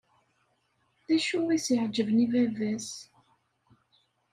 D acu i s-iɛeǧben i baba-s?